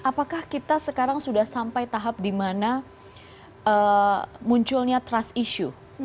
apakah kita sekarang sudah sampai tahap di mana munculnya trust issue